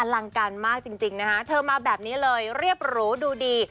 ลังการมากจริงนะคะเธอมาแบบนี้เลยเรียบหรูดูดี